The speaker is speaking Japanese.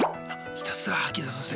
ひたすら吐き出させる。